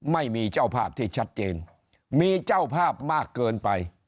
ไม่มีเจ้าภาพที่ชัดเจนมีเจ้าภาพมากเกินไป